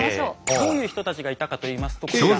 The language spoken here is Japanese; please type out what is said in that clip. どういう人たちがいたかといいますとこちら。